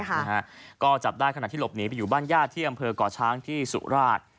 นะฮะก็จับได้ขณะที่หลบหนีไปอยู่บ้านญาติที่อำเภอก่อช้างที่สุราช